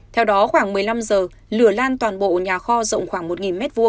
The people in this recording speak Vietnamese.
theo đó khoảng một mươi năm giờ lửa lan toàn bộ nhà kho rộng khoảng một m hai